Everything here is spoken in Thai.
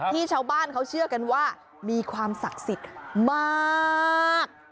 ชาวบ้านเขาเชื่อกันว่ามีความศักดิ์สิทธิ์มาก